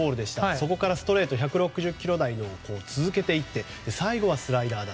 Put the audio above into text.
そこからストレート１６０キロ台を続けて最後はスライダー。